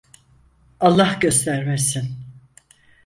Allah göstermesin…